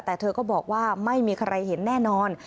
แต่เธอก็บอกว่าไม่มีใครเห็นแน่นอน